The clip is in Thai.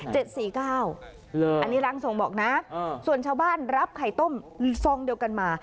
เจ็ดสี่เก้าอันนี้รังทรงบอกนะเออส่วนชาวบ้านรับไข่ต้มฟองเดียวกันมา